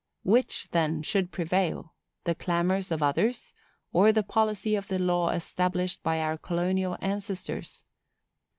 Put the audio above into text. Which, then, should prevail, the clamors of others, or the policy of the law established by our colonial ancestors?